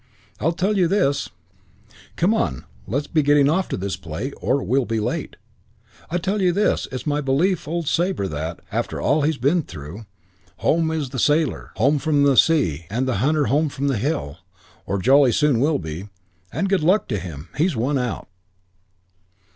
I'll tell you this come on, let's be getting off to this play or we'll be late I tell you this, it's my belief of old Sabre that, after all he's been through, "Home is the sailor, home from the sea And the hunter home from the hill. Or jolly soon will be. And good luck to him. He's won out."